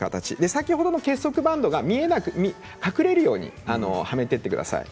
先ほどの結束バンドが隠れるようにはめていってください。